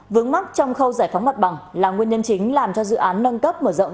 vướng mắt trong khâu giải phóng mặt bằng là nguyên nhân chính làm cho dự án nâng cấp mở rộng